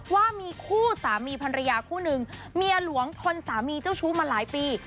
ว่ามีคู่สามีภรรยาคู่นึงเมียหลวงทนสามีเจ้าชู้มาหลายปี